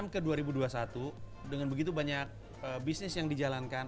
sembilan puluh enam sembilan puluh enam ke dua ribu dua puluh satu dengan begitu banyak bisnis yang dijalankan